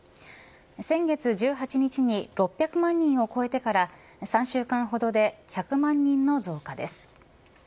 先月１８日に６００万人を超えてから３週間ほどで、１００万人の増加です。